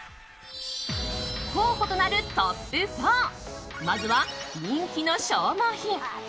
候補となるトップ４まずは人気の消耗品。